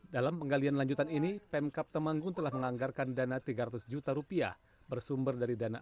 dalam penggalian lanjutan ini pemkap temanggung telah menganggarkan dana tiga ratus juta rupiah bersumber dari dana apbd tahun dua ribu delapan belas